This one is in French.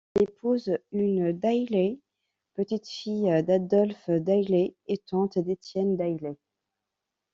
Il épouse une Dailly, petite-fille d'Adolphe Dailly et tante d'Étienne Dailly.